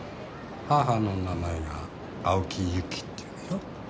母の名前が青木ゆきっていうでしょ。